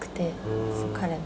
彼の。